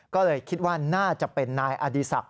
ก็เลยคิดว่าน่าจะเป็นนายอดีศักดิ